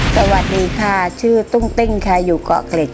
สวัสดีค่ะชื่อตุ้งติ้งอยู่เกร็ด